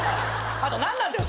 あと何なんだよ